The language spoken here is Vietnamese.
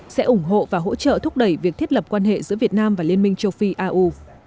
sẽ ủng hộ và hỗ trợ thúc đẩy việc thiết lập quan hệ giữa việt nam và liên minh châu phi au